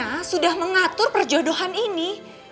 tante fina sudah mengatur perjodohan ini